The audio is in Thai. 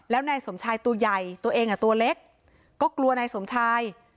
แล้วนายสมชายตัวใหญ่ตัวเองอ่ะตัวเล็กก็กลัวนายสมชาย